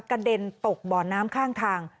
เด็นตกบ่อน้ำข้างทาง